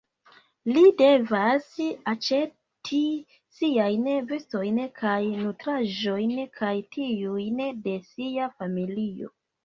Li devas aĉeti siajn vestojn kaj nutraĵojn kaj tiujn de sia familio.